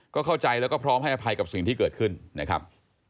ก็เข้าใจแล้วก็พร้อมให้อภัยกับสิ่งที่เกิดขึ้นนะครับ